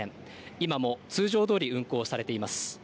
今も通常どおり運行されています。